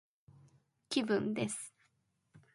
気分です